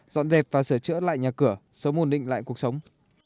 dọn dẹp và sửa chữa lại nhà cửa sớm hồn định lại cuộc sống